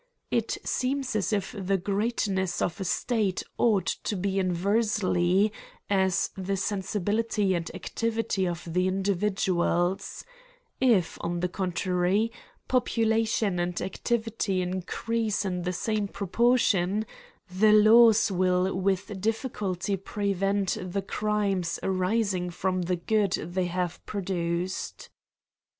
It seems as if the greatness of a state ought to be inversely as the sensibility and activity of the individuals ; if, on the contrary, population and activity increase in the same proportion, the laws will with difficulty prevent the crimes arising from the good they have produced.